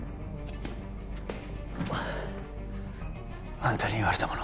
あんたに言われたもの